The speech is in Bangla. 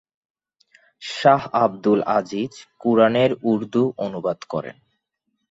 শাহ আবদুল আজিজ কুরআনের উর্দু অনুবাদ করেন।